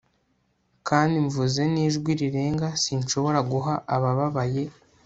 Kandi mvuze nijwi rirenga sinshobora guha abababaye